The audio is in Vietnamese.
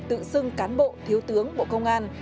tự xưng cán bộ thiếu tướng bộ công an